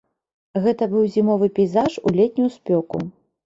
Гэта быў зімовы пейзаж у летнюю спёку.